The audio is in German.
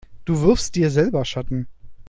Du wirfst dir selber Schatten.